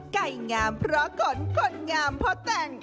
ไก่งามเพราะขนคนงามเพราะแต่ง